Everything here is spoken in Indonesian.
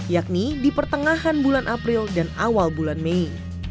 yakni di pertengahan bulan april dan awal bulan mei